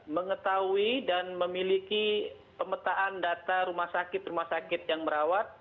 mengetahui dan memiliki pemetaan data rumah sakit rumah sakit yang merawat